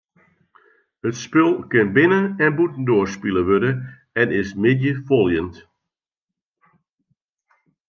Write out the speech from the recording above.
It spul kin binnen- en bûtendoar spile wurde en is middeifoljend.